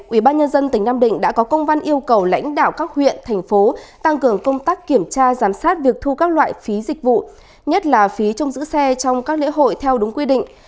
ủy ban nhân dân tỉnh nam định đã có công văn yêu cầu lãnh đạo các huyện thành phố tăng cường công tác kiểm tra giám sát việc thu các loại phí dịch vụ nhất là phí trong giữ xe trong các lễ hội theo đúng quy định